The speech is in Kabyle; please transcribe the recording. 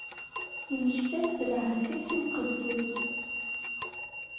Immekta-d d lɛahd-is imqeddes.